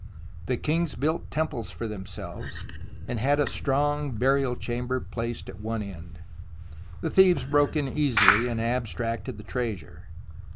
The kings built temples for themselves, and had a strong burial chamber placed at one end. The thieves broke in easily and abstracted the treasure.